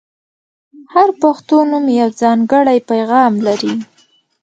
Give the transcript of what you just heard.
• هر پښتو نوم یو ځانګړی پیغام لري.